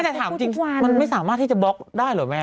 แต่ถามจริงมันไม่สามารถที่จะบล็อกได้เหรอแม่